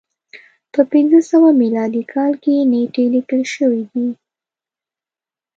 په پنځه سوه میلادي کال کې نېټې لیکل شوې دي.